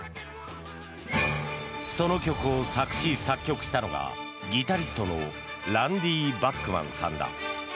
その曲を作詞作曲したのがギタリストのランディ・バックマンさんだ。